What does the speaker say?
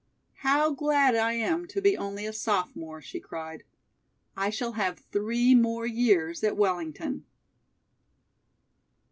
"How glad I am to be only a sophomore," she cried. "I shall have three more years at Wellington!"